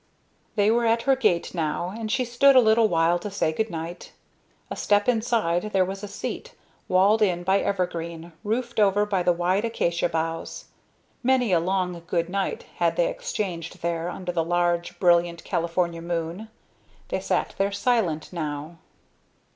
They were at her gate now, and she stood a little while to say good night. A step inside there was a seat, walled in by evergreen, roofed over by the wide acacia boughs. Many a long good night had they exchanged there, under the large, brilliant California moon. They sat there, silent, now.